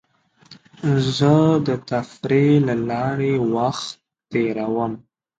زه د تفریح له لارې وخت تېرووم.